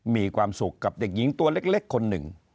มีความสุขกับเด็กหญิงตัวเล็กคนหนึ่ง